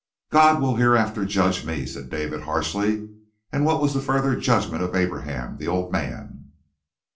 "God will hereafter judge me," said David harshly. "And what was the further judgment of Abraham, the old man?"